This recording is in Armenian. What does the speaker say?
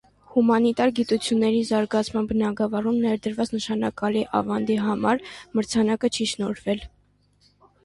Հումանիտար գիտությունների զարգացման բնագավառում ներդրած նշանակալի ավանդի համար մրցանակը չի շնորհվել։